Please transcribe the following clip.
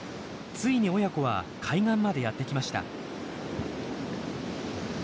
ついに親子は海岸までやって来ました。